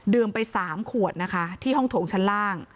ไป๓ขวดนะคะที่ห้องโถงชั้นล่าง